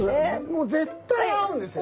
もう絶対合うんですよ。